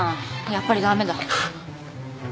やっぱりダメだ。